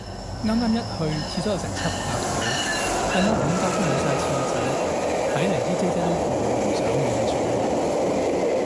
啱啱一去，廁所有成七格到。但有五格，都冇晒廁紙，睇嚟啲姐姐都累，唔想換住